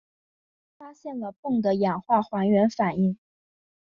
他发现了汞的氧化还原反应。